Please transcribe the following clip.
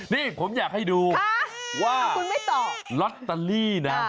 นี่ผมอยากให้ดูว่าล็อตเตอรี่นะ